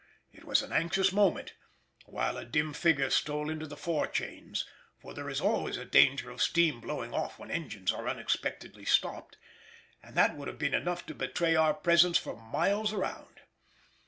It was an anxious moment, while a dim figure stole into the fore chains; for there is always a danger of steam blowing off when engines are unexpectedly stopped, and that would have been enough to betray our presence for miles around.